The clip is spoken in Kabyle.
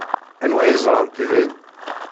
Anwa ay ẓrant din?